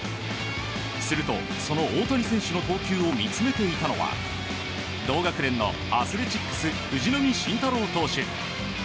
すると、その大谷選手の投球を見つめていたのは同学年のアスレチックス藤浪晋太郎投手。